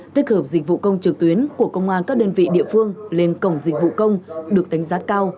tích hợp dịch vụ công trực tuyến của công an các đơn vị địa phương lên cổng dịch vụ công được đánh giá cao